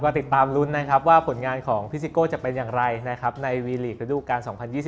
ก็ติดตามรุ้นว่าผลงานของพี่สิโก้จะเป็นอย่างไรในวีลีกระดูกการ๒๐๒๑